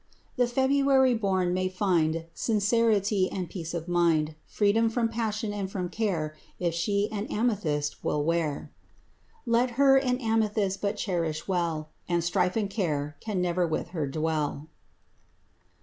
The February born may find Sincerity and peace of mind, Freedom from passion and from care, If she an amethyst will wear. Let her an amethyst but cherish well, And strife and care can never with her dwell.